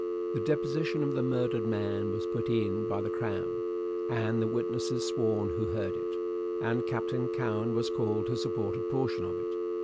The deposition of the murdered man was put in by the Crown, and the witnesses sworn who heard it, and Captain Cowen was called to support a portion of it.